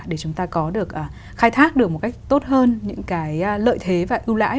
để chúng ta có được khai thác được một cách tốt hơn những cái lợi thế và ưu đãi